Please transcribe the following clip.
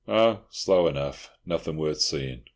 "Oh, slow enough. Nothing worth seeing.